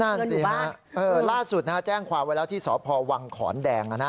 นั่นสิฮะล่าสุดแจ้งความไว้แล้วที่สพวังขอนแดง